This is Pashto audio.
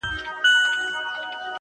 • د هرات لرغونی ښار -